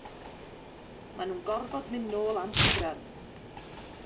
Mae nhw'n gorfod mynd nôl am sgrym.